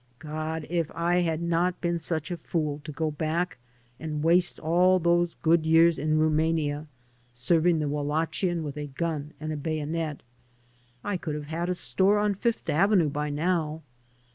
God! if I had not been such a fool, to go back and waste all those good years in Rumania, 97 AN AMERICAN IN THE MAKING serving the Wallachian with a gun and a bayonet, I could have had a store on Fifth Avenue by now.